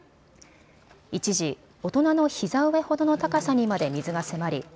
一時、大人のひざ上ほどの高さにまで水が迫り